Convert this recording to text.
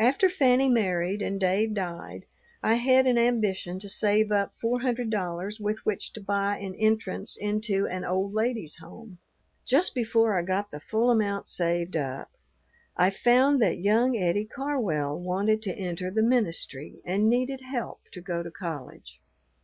After Fanny married and Dave died, I had an ambition to save up four hundred dollars with which to buy an entrance into an old ladies' home. Just before I got the full amount saved up, I found that young Eddie Carwell wanted to enter the ministry and needed help to go to college.